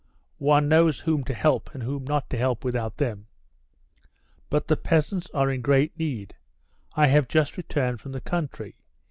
"One knows whom to help and whom not to help without them." "But the peasants are in great need. I have just returned from the country.